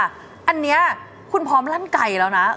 อันนี้คุณพร้อมลั่นไกลแล้วนะ